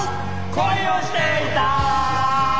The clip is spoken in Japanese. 「恋をしていた」